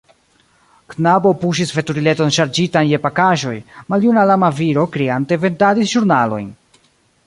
Knabo puŝis veturileton ŝarĝitan je pakaĵoj; maljuna lama viro kriante vendadis ĵurnalojn.